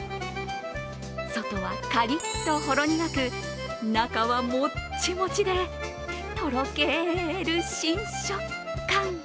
外はカリッとほろ苦く、中はもっちもちで、とろける新食感。